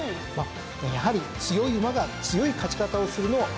やはり強い馬が強い勝ち方をするのを見守る。